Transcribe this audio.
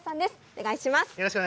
お願いします。